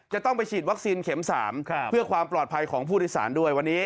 จะต้องไปฉีดวัคซีนเข็ม๓เพื่อความปลอดภัยของผู้โดยสารด้วยวันนี้